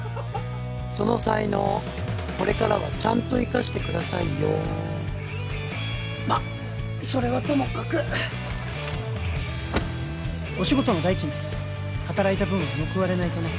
その才能これからはちゃんと生かしてくださいよまっそれはともかくお仕事の代金です働いた分は報われないとね